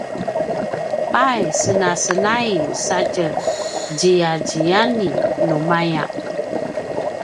pai senasenai satje ziyaziyani numaya